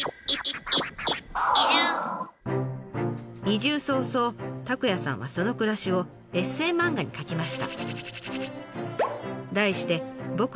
移住早々拓也さんはその暮らしをエッセー漫画に描きました。